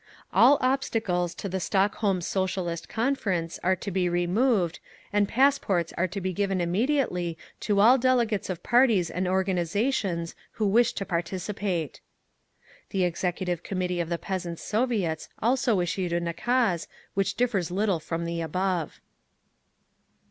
All obstacles to the Stockholm Socialist Conference are to be removed, and passports are to be given immediately to all delegates of parties and organisations who wish to participate. (The Executive Committee of the Peasants' Soviets also issued a nakaz, which differs little from the above.)